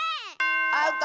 アウト！